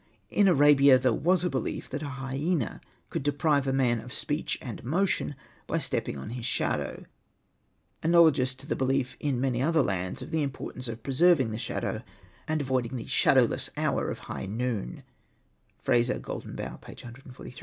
In Arabia there was a belief that a hyaena could deprive a man of speech and motion by step ping on his shadow — analogous to the belief in many other lands of the importance of preserving the shadow, and avoiding the shadowless hour of high noon (Frazer, " Golden Bough," p. 143).